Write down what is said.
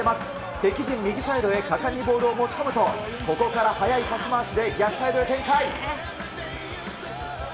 敵陣右サイドへ果敢にボールを持ち込むと、ここから速いパス回しで逆サイドへ展開。